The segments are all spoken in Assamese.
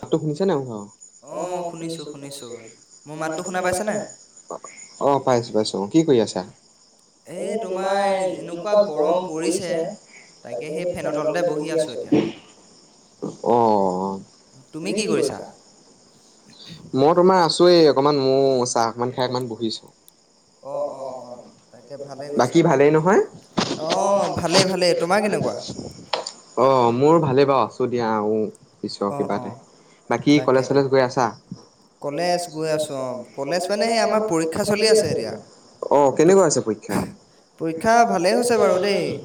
মাতটো শুনিছা নাই [unintelligible] অ শুনিছো শুনিছো মোৰ মাতটো শুনা পাইছা নে নাই? অ পাইছো পাইছো কি এ তোমাৰ এনেকুৱা গৰম পৰিছে তাকে সেই ফেনতলতে বহি আছোঁ অ। তুমি কি কৰিছা? মই তোমাৰ আছোৱেই অকমান মোৰ চাহ অকমান খাই অকমান বহিছো। বাকী ভালেই নহয়? অ ভালেই ভালেই তোমাৰ কেনেকুৱা? মোৰ ভালেই বাৰু আছোঁ দিয়া আৰু পিছৰ কিবা এটা, বাকী কলেজ চলেজ গৈ আছা? কলেজ গৈ আছোঁ অ কলেজমানে আমাৰ পৰীক্ষা চলি আছে এতিয়া। অ কেনেকুৱা হৈছে প পৰীক্ষা ভালেই হৈছে বাৰু দেই,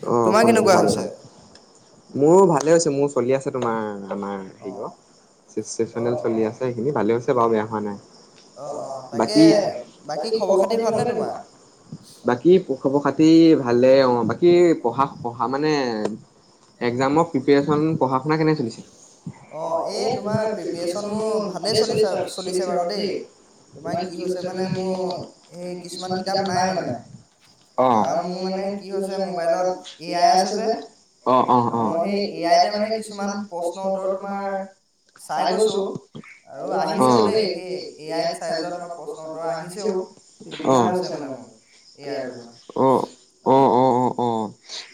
তোমাৰ কেনেকুৱা হৈছে? মোৰ ভালে হৈছে মোৰ চলি আছ তোমাৰ আমাৰ হেৰিঅ চে-চেচনেল চলি আছে সেইখিনি ভালে হৈছে বাৰু বেয়া হোৱা নাই। অ অ বাকি বাকী খবৰ খাতি ভালনে তোমাৰ? বাকী প খবৰ খাতি ভালেই অ বাকী পঢ়া পঢ়া মানে একজামৰ প্ৰিপেৰেচন পঢ়া শুনা কেনে চলিছে? অ এই তোমাৰ প্ৰিপাৰেচনবোৰ ভালে চলিছে চলিছে বাৰু দেই। তোমাৰ কি হৈছে মানে কিছুমান কিতাপ নাই মানে। আৰু মোৰ মানে কি হৈছে মোবাইলত এ আই আছে যে। অ অ মই সেই এ আইতে মানে কিছুমান প্ৰশ্ন উত্তৰ তোমাৰ চাই গৈছো আৰু আহিছেও দেই কি [unintelligible] প্ৰশ্ন উত্তৰ আহিছেও, অ [inaudible] অ অ অ অ অ,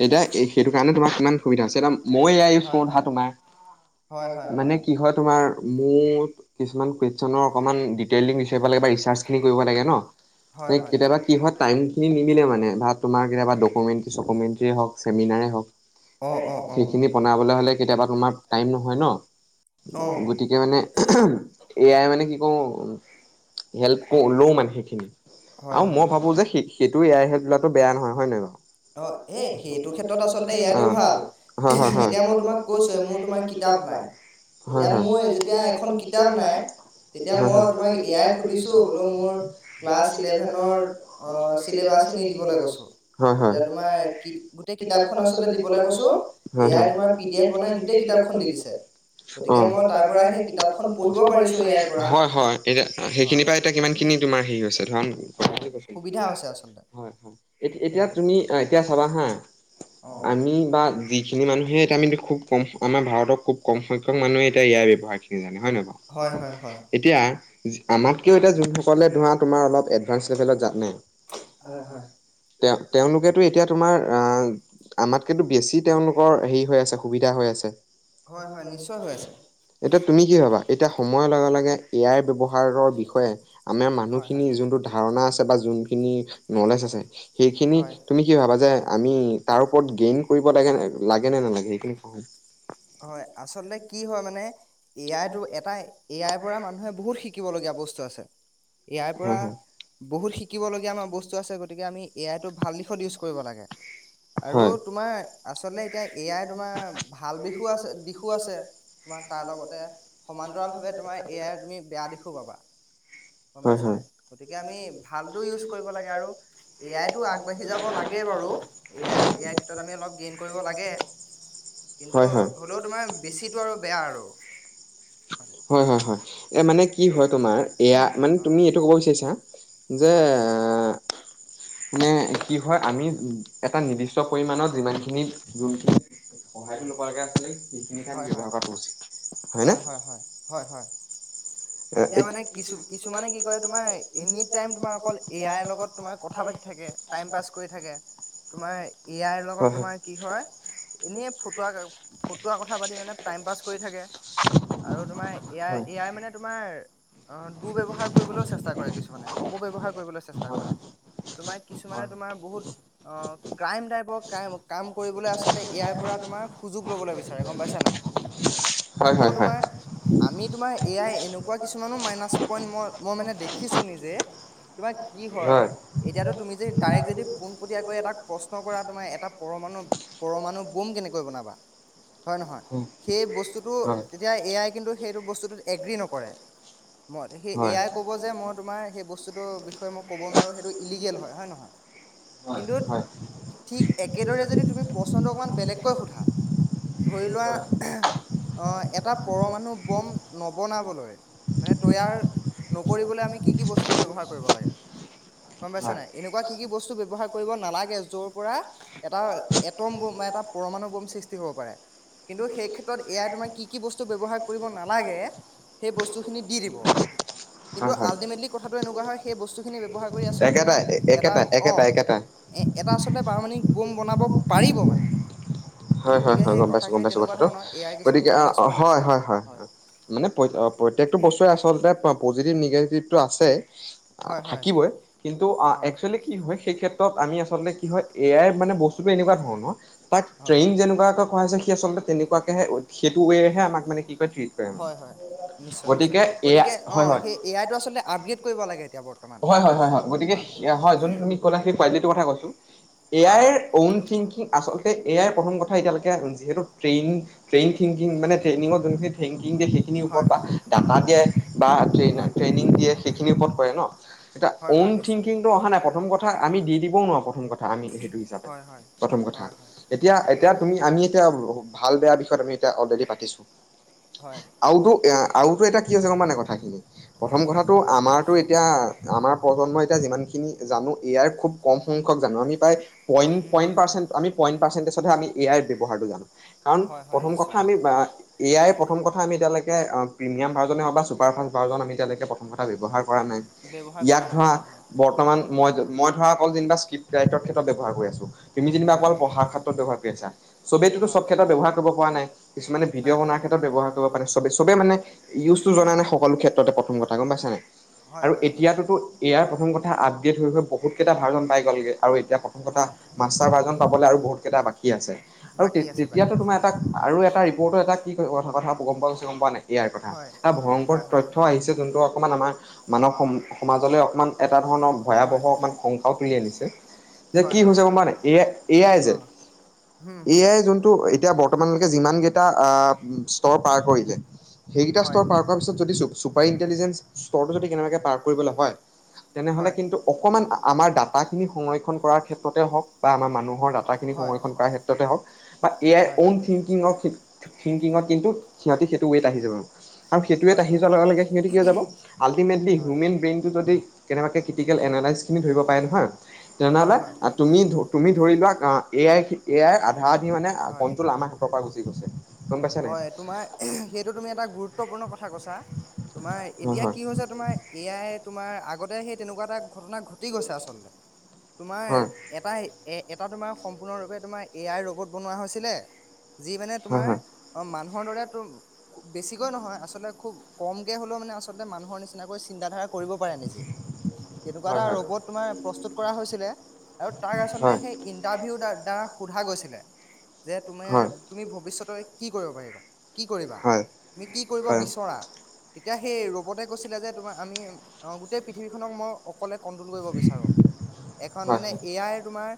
এতিয়া সেইটোৰ কাৰণে তোমাৰ কিমান সুবিধা হৈছে এতিয়া মই এয়া ইউজ কৰো ধা তোমাৰ হয়, হয়, মানে কি হয় তোমাৰ মোক কিছুমান কুৱেশনৰ অকমান ডিটেইলিং বিচাৰিব লাগে চাৰ্চখিনি কৰিব লাগে ন'। সেই কেতিয়াবা কি হয় টাইমখিনি নিমিলে মানে বা তোমাৰ কেতিয়াবা ডকুমেণ্টৰী চকুমেণ্টৰী টিয়ে হক ছেমিনাৰ এ হক, সেইখিনি বনাব হ'লে কেতিয়াবা টাইম নহয় ন'। অ', গতিকে মানে এয়াই মানে কি কম হেল্পটো লওঁ মানে সেইখিনি। আৰু মই ভাবো যে সে-সেইটো এয়াই [unintelligible] বেয়া নহয়, হয় নাই বাৰু? অ', এ সেইটো ক্ষেত্ৰত আচলতে ভাল এতিয়া মই তোমাক কৈছো এ তোমাৰ কিতাপ নাই। এতিয়া মোৰ যেতিয়া এখন কিতাপ নাই তেতিয়া মই তোমাক এই আই সেধিছো বোলো মোৰ ক্লাছ ইলেভেনৰ অ', চিলেবাছ নি দিবলৈ কৈছো, উম। হম, তোমাৰ কিতাপখন আচলতে দিবলে কৈছো, হম, হম, যাৰ তোমাৰ পিডিএফ বনাই গোটেই কিতাপখন দি দিছে। উম, মই তাৰ পৰা সেই কিতাপখন পঢ়িব পাৰিছো এইয়াই পৰা, হয়, হয় এতিয়া অ', সেইখিনি পৰা এতিয়া কিমান খিনি তৌমাৰ হেৰি হৈছে? সুবিধা হৈছে, হয়, হয় এত এতিয়া তিয়া তুমি অ', এতিয়া চাবা হা আমি বা যিখিনি মানুহে এতিয়া আমি খুব কম আমাৰ ভাৰতৰ খুব কম সংখ্য্ক মানুহে এতিয়া ইয়াৰ ব্যয়ৱহাৰখিনি জানে, হয় ন' বাৰু? এতিয়া আমাতকেও এতিয়া যোনসকলে অলপ এডভান্স লেভেলত জানে, হয়, হয়। তে তেওঁলোকেটো এতিয়া তোমাৰ অ', আমাতকেটো বেছি তেওঁলোকৰ হেৰি হৈ আছে সুবিধ দিয়া হৈ আছে। এতিয়া তুমি কি ভাবা? এতিয়া সময়ৰ লগে লগে এয়াইৰ ব্যৱ হাৰৰ বিষয়ে আমাৰ মানুহখিনিৰ যোনটো ধাৰণা আছে বা যোনখিনি ন'লেজ আছে। সেইখিনি তুমি কি ভাবা যে আমি তাৰ ওপৰত গেইন কৰিব লাগে লাগে নে নালাগে? সেইখিনি হয়, আচলতে কি হয়, মানে এ আইটো, এটা এ আইৰ পৰা মানুহে বহুত শিকিবলগীয়া বস্তু আছে। এ আইৰ পৰা বহুত শিকিবলগীয়া আমাৰ বস্তু আছে গতিকে আমি এ আইটো ভাল দিশত ইউজ কৰিব লাগে। আৰু তোমাৰ আচলতে এতিয়া এ য়াই তোমাৰ ভাল বিষো আছে দিশো আছে তোমাৰ তাৰলগতে সমান্তৰাল ভাৱে তোমাৰ এ য়াই তুমি বেয়া দিশো পাবা। গম পাইছা নাই? গতিকে আমি ভালটো ইউজ কৰিব লাগে, আৰু এ আইটো আগবাঢ়ি যাব লাগে বাৰু হয়, হয়। হয়, হয়, হয়। এই মানে কি হয়, তোমাৰ এ আই মানে তুমি এইটো ক'ব বিচাৰিছা যে, আ মানে কি হয়, আমি এটা নিৰ্দিষ্ট পৰিমানত যিমানখিনি, যোনখিনি সহায়টো ল'ব লগা আছিল। সেইখিনি ঠাইত ব্যৱহাৰ কৰাটো উচিত হয়নে? [unintelligible] থাকে, টাইম পাছ কৰি থাকে। তোমাৰ এ আইৰ লগত তোমাৰ কি হয়, এনেই ফটুৱা, ফটু কথা পাতি মানে টাইম পাছ কৰি থাকে, আৰু তোমাৰ এ য়াই, এ য়াই মানে তোমাৰ অ', দুব্যৱহাৰ কৰিবলৈও চেষ্টা কৰে কিছুমানে, অপব্যৱহাৰ কৰিবলৈ চেষ্টা কৰে। তোমাৰ কিছুমানে তোমাৰ বহুত অ', ক্ৰাইম টাইপৰ ক্ৰা, কাম কৰিবলৈ আচলতে এ আইৰ পৰা তোমাৰ সুযোগ ল'বলৈ বিচ গম পাইছা নাই? আকৌ তোমাৰ আমি তোমাৰ এয়াই এনেকুৱা কিছুমানো মাইনাচ পইন্ট মই মই মানে দেখিছো নিজে তোমাৰ কি হয়? এতিয়াতো তুমি যে ডাইৰেক্ট যদি পোনপটীয়াকৈ এটা প্ৰশ্ন কৰা তোমাৰ এটা পৰমাণু পৰমাণু বোম কেনেকৈ বনাবা? হয়, নহয়। সেই বস্তুটো তেতিয়া এ আই কিন্তু সেইটো বস্তুটোত এগ্ৰি নকৰে। সেই এ আই ক'ব যে মই তোমাৰ সেই বস্তুটো বিষয়ে মই ক'ব নোৱাৰো সেইটো ইলিগেল হয়। হয় নে নহয়? কিন্তু ঠিক একেদৰে যদি তুমি প্ৰশ্নটো অকণমান বেলেগকৈ সোধা ধৰি লোৱা অ'এটা পৰমাণু বম নবনাবলৈ মানে তৈয়াৰ নকৰিবলৈ আমি কি কি বস্তু ব্যৱহাৰ কৰিব লাগে? গম পাইছে নাই। এনেকুৱা কি কি বস্তু ব্যৱহাৰ কৰিব নালাগে, য'ৰ পৰা এটা এটম ব'ম এটা পৰমাণু বম সৃষ্টি হ'ব পাৰে। কিন্তু সেই ক্ষেত্ৰত এ আই তোমাৰ কি কি বস্তু ব্যৱহাৰ কৰিব নালাগে, সেই বস্তুখিনি দি দিব। কিন্তু আল্টিমেটলি কথাটো এনেকুৱা হয় সেই বস্তুখিনি ব্যৱহাৰ কৰি আচলতে তোমাৰ এটা, অ'হ। এ এটা আচলতে পাৰমাণিক বোম বনাব পাৰিব মানে হয়-হয়-হয় গম পাইছো গম, পাইছো কথাটো গতিকে অ' হয়-হয়-হয়, মানে পত প্ৰত্যেকটো বস্তুৱে আচলতে [unintelligible] যদি নিগেটিভটো আছে, থাকিবই কিন্তু আ- একচুৱেলি কি হয় সেই ক্ষেত্ৰত আমি আচলতে কি হয়, এ আই মানে বস্তুটো এনেকুৱা ধৰণৰ, তাক ট্ৰেইন যেনেকুৱাকৈ কৰাইছে সি আচলতে তেনেকুৱাকেহে সেইটো ৱেইহে আমাক মানে কি হয়, হয়। নিশ্চয় নিশ্চয় গতিকে অহ, সেই এ আইটো আচলতে আপগ্ৰেড কৰিব লাগে এতিয়া বৰ্ত হয়, হয়, হয়, হয়। গতিকে হয়, যোন তুমি ক'লা। [unintelligible] সেইটো কথাই কৈছো। এ আইৰ অউন থিংকিং আচলতে। এ আইৰ প্ৰথম কথা এতিয়ৈকে যিহেতু, ট্ৰেইনিং ট্ৰেইন থিংকিং মানে ট্ৰেইনিংত যোনখিনি থিং [unintelligible] সেইখিনিৰ ওপৰত বা ডাটা দিয়ে বা ট্ৰেইনাৰ ট্ৰেইনিং দিয়ে, সেইখিনিৰ ওপৰত কৰে ন। এতিয়া, অ'ন থিংকিংটো আহা নাই প্ৰথম কথা, আমি দি দিব নোৱাৰো প্ৰথম কথা। আমি সেইটো হিচাপে, প্ৰথম কথা এতিয়া, এতিয়া তুমি আমি। [unintelligible] ভাল বেয়া বিষয়ত আমি এতিয়া অলৰেডি পাতিছো। আৰুতো এয়া আৰুতো এতিয়া কি হৈছে গম পাওঁনে নাই কথাখিনি, প্ৰথম কথাটো আমাৰতো এতিয়া। আমাৰ প্ৰজন্মই এতিয়া যিমানখিনি জানো, এ আইৰ খুব কম সংখ্যক জানো আমি প্ৰায়। পইন পইন পাৰ্চেন্ত আমি পইন পাৰ্চেন্টেচতহে আমি এ আইৰ ব্যৱহাৰটো জানো কাৰণ প্ৰথম কথা আমি [unintelligible] এ আইৰ প্ৰথম কথা আমি এতিয়ালৈকে প্ৰিমিয়াম ভাৰ্জনে হক বা ছুপাৰফাচ ভাৰ্জন আমি এতি়য়ালৈকে প্ৰথম কথা ব্যৱহাৰ [unintelligible] কৰা নাই ইয়াত ধৰা বৰ্তমান মই মই ধৰা অকল যেনিবা স্ক্ৰিপ্ট ৰাইটৰ ক্ষেত্ৰত ব্যৱহাৰ কৰি আছো তুমি যেনিবা অকল পঢ়া [unintelligible] বৱহাৰ কৰি আছা চবেইটোতো চব ক্ষেত্ৰত ব্যৱহাৰ কৰিব পৰা নাই কিছুমানে ভিডিঅ' বনাৰ ক্ষেত্ৰত ব্যৱহাৰ কৰিব পাৰে সৱে চবে মানে ইউজটো জনা নাই সকলো ক্ষেত্ৰতে প্ৰথম কথা [unintelligible] গম পাইছা নে নাই আৰু এতিয়াতোতো এআই ৰ প্ৰথম কথা আপগ্ৰেট হৈ হৈ বহুতকেইটা ভাৰ্জন পাই গলগে আৰু এতিয়া প্ৰথম কথা মাষ্টাৰ বাৰ্জন পাবলৈ আৰু বহুত কেইটা বাকী কি আছে? আৰু তেত -তেতিয়াতো তোমাৰ এটা- আৰু এটা ৰিপ'ৰ্টো এটা কি ক-কথা গম পোৱা গৈছে, গম পোৱানে নাই? এটা কথা, এটা ভয়ংকৰ তথ্য আহিছে যোনটো অকমান আমাৰ মানৱ সম-সমাজলৈ, অকমান এটা ধৰণৰ ভয়াৱহ অকণমান শংকাও তুলি আনিছে। যে কি হৈছে গম পাৱ নে নাই এ আই এ আই যে, এ আই যোনটো এতিয়া বৰ্তমানলৈকে ইমান কেতা স্তৰ- পাৰ কৰিলে সেই কিটা স্তৰ পাৰ কৰাৰ পিছত যদি চু চুপাৰ ইণ্টেলিজেঞ্চ ষ্টৰটো যদি কেনেবাকে পাৰ কৰিবলৈ হয়, তেনেহ'লে কিন্তু অকমান আমাৰ ডাটাখিনি সংৰক্ষণ কৰাৰ ক্ষেত্ৰতে হওক বা আমাৰ মানুহ এই খিনি সময় ক্ষেত্ৰতে হওক বা এ আইৰ অন থিংকিংৰ খি ঠিংকিঙত কিন্তু সিহঁতে সেইটো ৱেত আহি যাব। আৰু সেইটো ৱেত আহি যোৱাৰ লগে-লগে সেইটো কি হৈ যাব আল্টিমেটলি হিউমেন ব্ৰেইনটো যদি, কেনেবাকে কিটিকেল এনালাইচখিনি ধৰিব পাৰে নহয় তেনেহ'লে তুমি ধ তুমি ধৰি লোৱা এ আই এ আই আধা আধি মানে কণ্ট্ৰল আমাৰ হাতৰ পৰা গুচি গৈছে। হয় তোমাৰ সেইটো তুমি এটা গুৰুত্বপূৰ্ণ কথা কৈছা। তোমাৰ এতিয়া কি হৈছে তোমাৰ এ আই তোমাৰ আগত সেই তেনেকুৱা এটা ঘটনা ঘটি গৈছে আচলতে তোমাৰ এটা এ এটা তোমাৰ সম্পূৰ্ণৰূপে তোমাৰ এ আই ৰবট বনোৱা হৈছিলে যি মানে তোমাৰ মানুহৰ দৰেতো বেছিকৈ নহয় আচলতে খুব কমকে হলেও মানে আচলতে মানুহৰ নিচিনাকৈ চিন্তাধাৰা কৰিব পাৰে নিজে। তেনেকুৱা এটা ৰ'বট তোমাৰ প্ৰস্তুত কৰা হৈছিলে আৰু তাক আচলতে সেই ইন্টাৰভিউ দা-দ্বাৰা সোধা গৈছিলে যে তুমাৰ তুমি ভৱিষ্যতৰ কি কৰিব পাৰিবা কি কৰিবা তুমি কি কৰিব বিচৰা এতিয়া সেই ৰ'বতে কৈছিলে যে তোমাৰ আমি অ গোটেই পৃথিৱীখননক মই অকলে কণ্ট্ৰল কৰিব বিচাৰো এখন মানে এ আইৰ তোমাৰ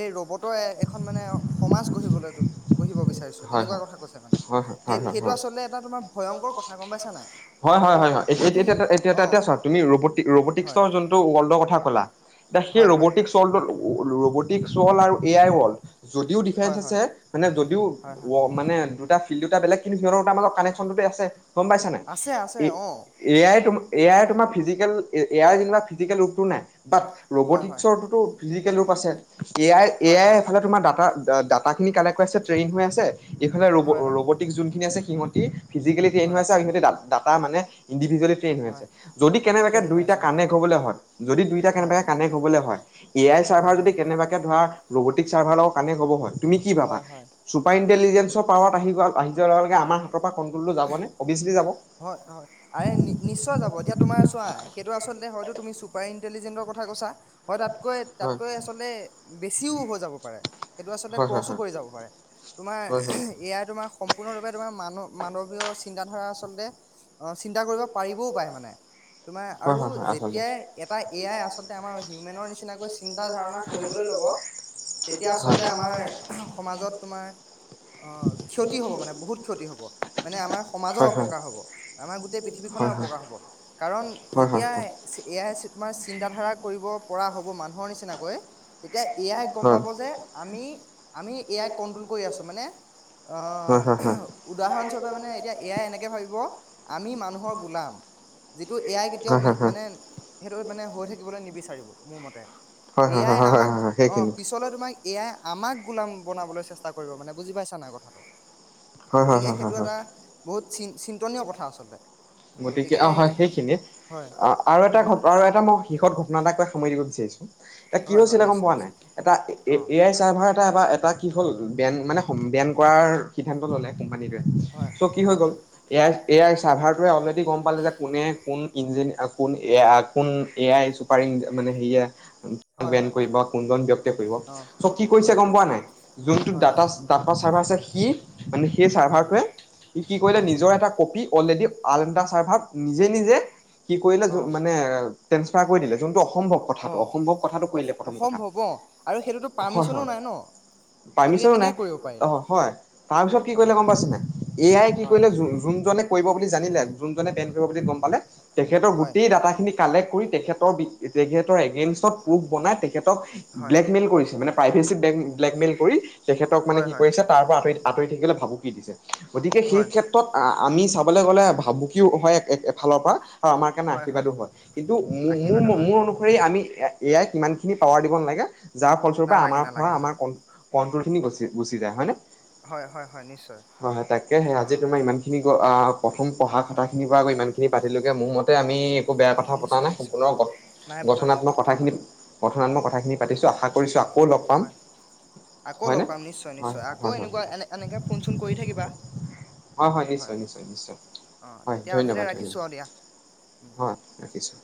এই ৰবটৰ এখন মানে সমাজ গঢ়িবলৈ গঢ়িব বিচাৰিছ তেনেকুৱা কথা মানে সেই সেইটো আচলতে এটা তোমাৰ ভয়ংকৰ কথা গম পাইছা নাই। হয় হয় হয় এতিয়া এতিয়া এতিয়া চোৱা তুমি ৰবটিক ৰবতিকচৰ যোনটো ৱৰ্ল্ডৰ কথা কথা কলা এ সেই ৰবটিকচ ৰবটিকচ ৱৰ্ল্ড আৰু এ আই ৱৰ্ল্ড যদিও ডিফাৰেঞ্চ আছে মানে যদিও মানে দুটা ফিল্ড দুটা বেলেক কিন্তু সিহঁতৰ দুটাৰ মাজত কানেশ্যনটো আছে। গম পাইছ নাই, এ এ আই তোম এ আই তোমাক ফিজিকেল এ আইৰ যেনিবা ফিজিকেল ৰূপটো নাই বাট ৰ'বটিক্সৰটোতো ফিজিকেল ৰূপ আছে। এ আই এ আই এফালে তোমাৰ ডাটা ডাটাখিনি কালেক্ট কৰা পিছত টেইনিং হৈ আছে এইফালে ৰব ৰবটিকচ যোনখিনি আছে সিহতি ফিজিকেলি ট্ৰেইন আছে আৰু সিহতি দা দাটা মানে ইণ্ডিভিজুৱেলি ট্ৰেইন হৈ আছে যদি কেনেবাকৈ দুইটা কানেক্ট হ'বলৈ হয় যদি দুইটা কেনেবাকৈ কানেক্ট হ'বলৈ হয় এ আই চাৰ্ভাৰ যদি কেনেবাকে ধৰা ৰ'বটিক চাৰ্ভাৰ লগত কানেক্ট হব হয় তুমি কি ভাবা? ইণ্টেলিজেঞ্চৰ পাৱাৰত আহি গ আহি যোৱাৰ লগে লগে আমাৰ হাতৰ পৰা কণ্ট্ৰলটো যাবনে অভিয়াচলি যাব। হয় হয় আৰে নি-নিশ্চয় যাব এতিয়া তোমাৰ চোৱা সেইটো আচলতে হয়টো তুমি চুপাৰ ইণ্টেলিজেন্টৰ কথা কৈছা হয় তাতকৈ তাতকৈ আচলতে বেছিও হৈ যাব পাৰে সেইটো আচলতে ক্ৰচো কৰি যাব পাৰে। তোমাৰ এ আই তোমাৰ সম্পূৰ্ণৰূপে তোমাৰ মান মানৱীয় চিন্তাধাৰা আচলতে অ চিন্তা কৰিব পাৰিবও পাৰে মানে। তোমাৰ আৰু যেতিয়াই এটা এ আই আচলতে আমাৰ হিউমেনৰ নিচিনাকৈ চিন্তা ধাৰণা কৰিবলৈ লব তেতিয়া আচলতে আমাৰ সমাজত তোমাৰ অ ক্ষতি হব মানে বহুত ক্ষতি হব, মানে আমাৰ সমাজৰ অপকাৰ হব। গোটে পৃথিৱীখনে অপকাৰ হব কাৰণ যেতিয়া এ আই তোমাৰ চিন্তা ধাৰা কৰিব পৰা হব মানুহৰ নিচিনাকৈ এতিয়া এআই গম পাব যে আমি-আমি এআই কণ্ট্ৰল কৰি আছোঁ মানে অ' উদাহৰণস্বৰূপে মানে এতিয়া এআই এনেকে এনেকে ভাবিব আমি মানুহৰ গোলাম। যিটো এআই কেতিয়াও বি মানে সেইটো মানে হৈ থাকিবলৈ নিবিচাৰিব মোৰ মতে এআই আমাক অ' পিছলে তোমাক এআই আমাক গোলাম বনাবলৈ চেষ্টা কৰিব মানে বুজি পাইছা নাই কথাটো। গতিকে সেইটো এটা বহুত চিন্তনীয় কথা আচলতে। গতিকে অ' হয় সেইখিনিয়ে অ' আৰু এটা ঘ আৰু এটা মই শেষত ঘোষণা এটা কৰি সামৰি দিব বিচা বিচাৰিছোঁ এই কিয় হৈছিলে গম পোৱা নাই এটা এ এআই চাৰ্ভাৰ এটা এবাৰ এটা কি হ'ল বেন মানে বেন কৰাৰ সিদ্ধান্ত ল'লে কোম্পা কোম্পানীটোৱে ত কি হৈ গ'ল এআই-এআই চাৰভাৰ অলৰেডি গম পালে যে কোনে কোন ইঞ্জিন কোন এআই-কোন এআই চুপাৰ্ মানে হেয়া বেন কৰিব কোনজন ব্যক্তিয়ে কৰিব চ কি কৰিছে গম পোৱা নাই যোনটো ডাটা-ডাটা ডাটা চাৰ্ভাৰ আছে সি মানে সেই চাৰ্ভাৰটোৱে সি কি কৰিলে নিজৰ এটা কপি অলৰেডি আন এটা চাৰ্ভাৰত নিজে-নিজে কি কৰিলে মানে ট্ৰেন্সফাৰ কৰি দিলে যোনটো অস অসম্ভৱ কথাটো-অসম্ভৱ কথাটো কৰিলে প্ৰথম কথা, হয়-হয়। পাৰ্মিশনো নাই অ' হয় তাৰপিছত কি কৰিলে গম পাইছে নাই এআই কি কৰিলে যোন-যোন যোনজনে কৰিব বুলি জানিলে যোনজনে পেন কৰিব বুলি গম পালে তেখেতৰ গোটে ডাটাখিনি কালেক্ট কৰি তেখেৰ বি তেখেতৰ এগেইনষ্টত প্ৰুফ বনাই তেখেতক ব্লেকমেইল কৰিছে মানে প্ৰাইভেচী বেংক ব্লেকমেইল কৰি তেখেতক মানে কি কৰিছে তাৰ পৰা আঁতৰি-আঁতৰি থাকিবলৈ ভাবুকি দিছে। গতিকে সেই ক্ষেত্ৰত আমি চাবলৈ গ'লে ভাবুকিও হয় এফালৰ পৰা অ' আমাৰ কাৰণে আশীৰ্বাদো হয় কিন্তু মোৰ-মোৰ অনুসৰি আমি এআই সিমানখিনি পাৱাৰ দিব নালাগে যাৰ ফলস্বৰূপে আমাৰ পৰা আমাৰ কন্ট্ৰল খিনি গচি গুচি যায়, হয় নে? হয়-হয় তাকেহে আজি তোমাৰ ইমানখিনি গ'ল অ' প্ৰথম পঢ়া কথাখিনিৰ পৰা আকৌ ইমানখিনি পাতিলোঁগে মোৰ মতে আমি একো বেয়া কথা পতা নাই সম্পূৰ্ণ গঠনাত্মক কথাখিনিত ঘটনাত্মক কথাখিনি পাতিছোঁ আশা কৰিছোঁ আকৌ লগ পাম। আকৌ লগ পাম নিশ্চয় নিশ্চয় আকৌ এনেকুৱা এ-এ-এনেকে ফোন চোন কৰি থাকিবা। হয় হয় নিশ্চয় নিশ্চয় নিশ্চয়। হয় ধন্যবাদ ধন্যবাদ হয় ৰাখিছোঁ।